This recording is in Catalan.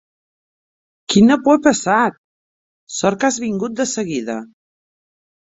Quina por que he passat!: sort que has vingut de seguida.